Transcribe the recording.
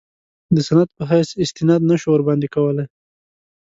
د سند په حیث استناد نه شو ورباندې کولای.